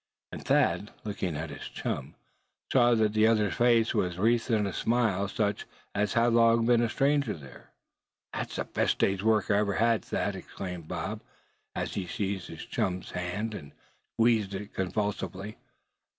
And Thad, looking at his chum, saw that the other's face was wreathed in a smile such as had long been a stranger there. "The best day's work I ever did, Thad!" exclaimed Bob, as he seized his chum's hand, and squeezed it convulsively.